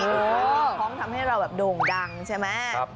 ท้องทำให้เราแบบโด่งดังใช่ไหม